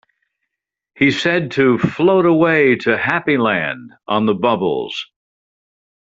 He said to float away to Happy Land on the bubbles.